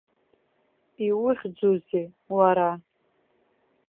Иухьӡузеи уара?